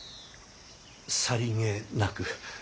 さりげなく。